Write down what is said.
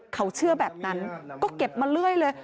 เขาเชื่อแบบนั้นก็เก็บมาเรื่อยเลย